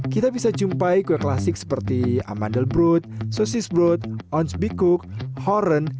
kita bisa jumpai kue klasik seperti amandel brut sosis broad ons bikuk horen